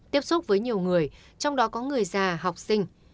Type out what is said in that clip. tiếp xúc với nhiều người trong đó có người già học sinh